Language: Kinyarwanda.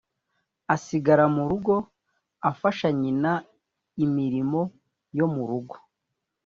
asigara mu rugo afasha nyina imirimo yo mu rugo